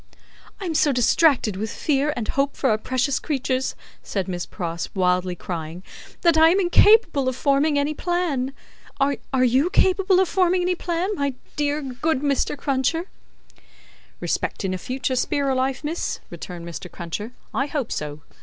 "I am so distracted with fear and hope for our precious creatures," said Miss Pross, wildly crying, "that I am incapable of forming any plan. Are you capable of forming any plan, my dear good Mr. Cruncher?" "Respectin' a future spear o' life, miss," returned Mr. Cruncher, "I hope so.